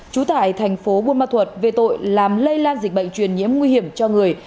trú tại tp buôn ma thuật về tội làm lây lan dịch bệnh truyền nhiễm nguy hiểm cho người